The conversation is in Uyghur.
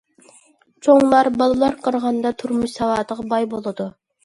چوڭلار بالىلارغا قارىغاندا تۇرمۇش ساۋاتىغا باي بولىدۇ.